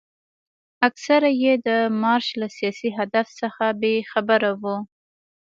اکثره یې د مارش له سیاسي هدف څخه بې خبره وو.